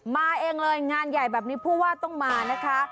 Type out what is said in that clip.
มาเองเลยงานใหญ่แบบนี้ผู้ว่าต้องมานะคะ